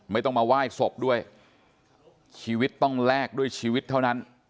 ไม่ต้องมาไหว้ศพด้วยชีวิตต้องแลกด้วยชีวิตเท่านั้น